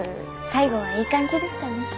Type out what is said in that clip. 最後はいい感じでしたね。